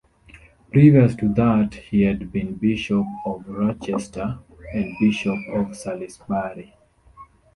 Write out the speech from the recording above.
Previous to that he had been Bishop of Rochester and Bishop of Salisbury.